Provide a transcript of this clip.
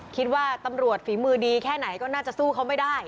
คิดว่าตำรวจฝีมือดีแค่ไหนก็น่าจะสู้เขาไม่ได้